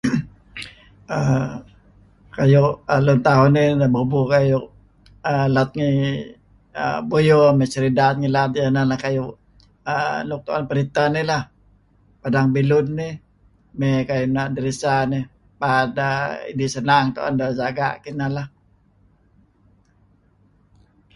Err... kayu' lun tauh nah neh bubuh kayu' err... let ngi err... Buyo mey Seridan ngilad iih. Neh neh kayu' err... nuk tu'en peritah nih leh. Padang bilun nih mey kayu' na' deresa nih paad dih senang tu'en deh jaga' kineh leh.